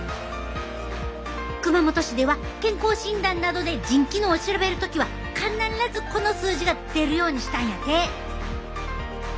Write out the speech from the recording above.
熊本市では健康診断などで腎機能を調べる時は必ずこの数字が出るようにしたんやて。